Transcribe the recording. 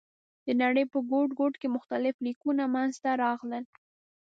د نړۍ په ګوټ ګوټ کې مختلف لیکونه منځ ته راغلل.